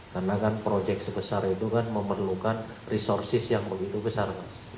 karena kan proyek sebesar itu kan memerlukan resources yang begitu besar